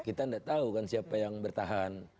kita tidak tahu kan siapa yang bertahan